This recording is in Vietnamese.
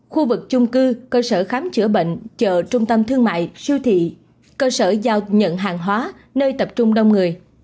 khu vực chung cư cơ sở khám chữa bệnh chợ trung tâm thương mại siêu thị cơ sở giao nhận hàng hóa nơi tập trung đông người